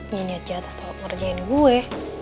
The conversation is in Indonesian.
punya niat jahat atau ngerjain gue